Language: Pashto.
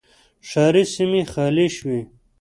ښاري سیمې خالي شوې.